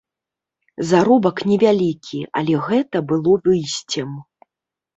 Заробак невялікі, але гэта было выйсцем.